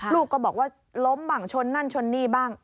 ลูกก็บอกว่าล้มบ้างชนนั่นชนนี่บ้าง